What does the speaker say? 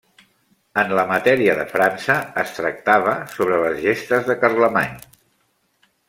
En la Matèria de França es tractava sobre les gestes de Carlemany.